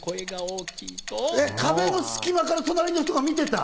壁の隙間から隣の人が見てた！